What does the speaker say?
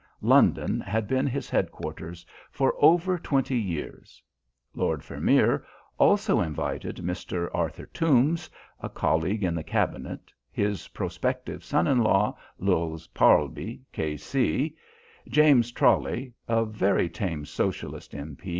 London had been his headquarters for over twenty years. Lord Vermeer also invited Mr. Arthur Toombs, a colleague in the Cabinet, his prospective son in law, Lowes Parlby, K.C., James Trolley, a very tame Socialist M.